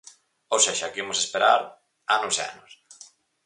Ou sexa que imos esperar anos e anos.